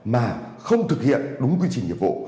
mà không thực hiện đúng quy trình nhiệm vụ